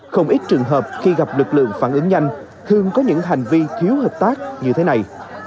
không ít trường hợp khi gặp lực lượng phản ứng nhanh thường có những hành vi thiếu hợp tác như thế này